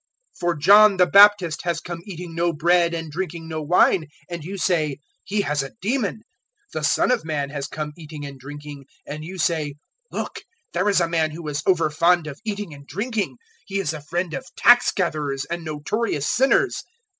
007:033 For John the Baptist has come eating no bread and drinking no wine, and you say, `He has a demon!' 007:034 The Son of Man has come eating and drinking, and you say, `Look, there is a man who is overfond of eating and drinking he is a friend of tax gatherers and notorious sinners!'